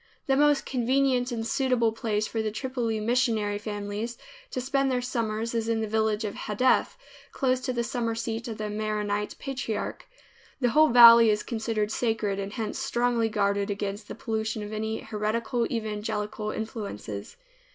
The most convenient and suitable place for Tripoli missionary families to spend their summers is in the village of Hadeth close to the summer seat of the Maronite patriarch. The whole valley is considered sacred, and hence strongly guarded against the pollution of any heretical evangelical influences.